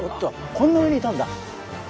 こんな上にいたんだ。